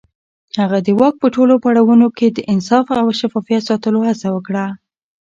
هغه د واک په ټولو پړاوونو کې د انصاف او شفافيت ساتلو هڅه وکړه.